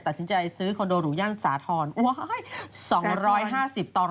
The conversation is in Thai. ตัดสินใจซื้อคอนโดหรูย่านสาธร